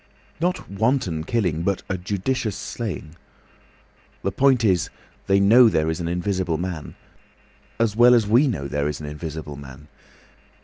"Not wanton killing, but a judicious slaying. The point is, they know there is an Invisible Man—as well as we know there is an Invisible Man.